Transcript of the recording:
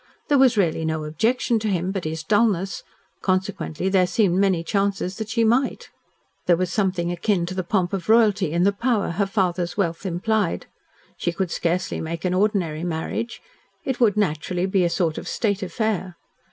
There was really no objection to him but his dulness, consequently there seemed many chances that she might. There was something akin to the pomp of royalty in the power her father's wealth implied. She could scarcely make an ordinary marriage. It would naturally be a sort of state affair.